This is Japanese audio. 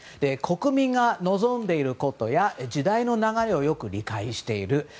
国民が望んでいることや時代の流れをよく理解している。